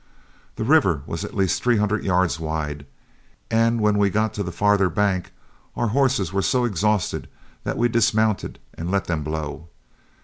The river was at least three hundred yards wide, and when we got to the farther bank, our horses were so exhausted that we dismounted and let them blow.